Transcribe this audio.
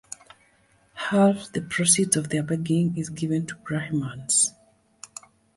Half the proceeds of their begging is given to Brahmans.